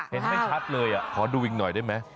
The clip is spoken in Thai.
เห็นได้ชัดเลยอ่ะขอดูอีกหน่อยได้ไหม